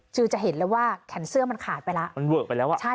จะเห็นเลยว่าแขนเสื้อมันขาดไปแล้วมันเวิร์กไปแล้วอ่ะใช่